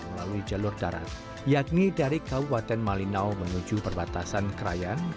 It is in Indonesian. melalui jalur darat yakni dari kabupaten malinau menuju perbatasan krayan